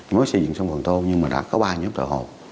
mới xây dựng xong phần thô nhưng mà đã có ba nhóm thợ hồ